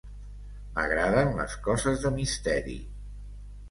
M'agraden les coses de misteri.